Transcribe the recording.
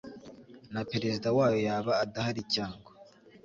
na perezida wayo yaba adahari cyangwa